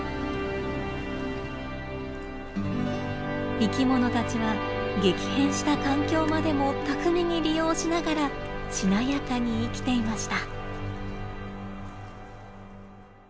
生きものたちは激変した環境までも巧みに利用しながらしなやかに生きていました。